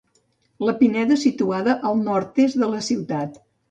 La Pineda situada al nord-est de la ciutat.